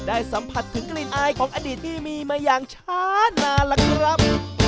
ได้สัมผัสถึงกลิ่นอายของอดีตที่มีมาอย่างช้านาน